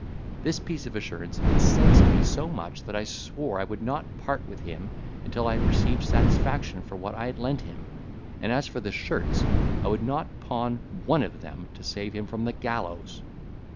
This piece of assurance incensed me so much that I swore I would not part with him until I had received satisfaction for what I had lent him; and as for the shirts, I would not pawn one of them to save him from the gallows.